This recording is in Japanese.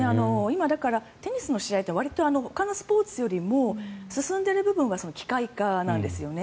今テニスの試合というのはわりと、ほかのスポーツよりも進んでいる部分は機械化なんですよね。